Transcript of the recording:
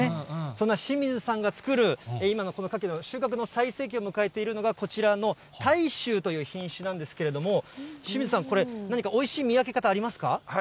そんな清水さんが作る、今のこの柿の収穫の最盛期を迎えているのが、こちらの太秋という品種なんですけれども、清水さん、これ、何かおいしい見分け方ありますか。